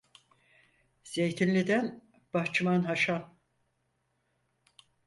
Zeytinli'den… Bahçıvan Haşan!